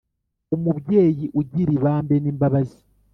umubyeyi ugira ibambe n’imbabazi